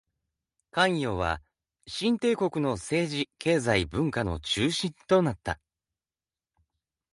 咸陽は秦帝国の政治・経済・文化の中心となった。